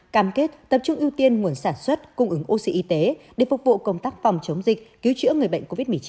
cam kết tập trung ưu tiên nguồn sản xuất cung ứng oxy y tế để phục vụ công tác phòng chống dịch cứu chữa người bệnh covid một mươi chín